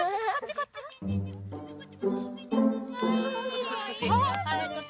こっちこっち。